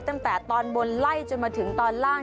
ตั้งแต่ตอนบนไล่จนมาถึงตอนล่าง